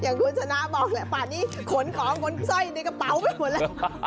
คุณชนะบอกแหละป่านนี้ขนของขนสร้อยในกระเป๋าไปหมดแล้ว